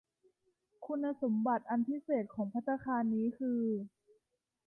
คุณสมบัติอันพิเศษของภัตตาคารนี้คือ